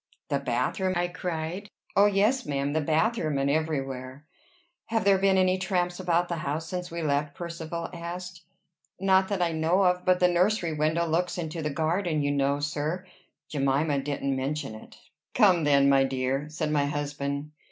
"The bathroom?" I cried. "Oh, yes, ma'am! the bathroom, and everywhere." "Have there been any tramps about the house since we left?" Percivale asked. "Not that I know of; but the nursery window looks into the garden, you know, sir. Jemima didn't mention it." "Come then, my dear," said my husband.